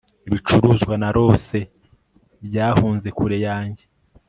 ibicuruzwa narose byahunze kure yanjye